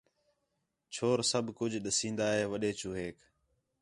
چھور سب کُج ݙسین٘دا ہِے وݙّے چوہیک